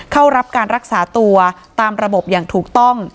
เข้ารับการรักษาตัวตามระบบอย่างถูกต้อง